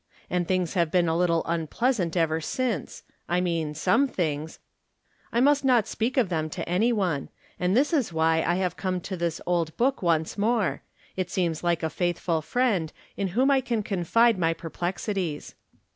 And things have been a little unpleasant ever since — I mean some things — I must not speak of them to any one ; and this is why I have come ■ to this old book once more — it seems like a faith ful friend, in whom I can confide my perplexi ties.